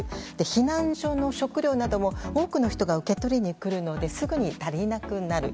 避難所の食料なども多くの人が受け取りに来るのですぐに足りなくなる。